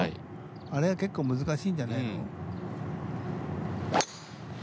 あれが結構難しいんじゃないの？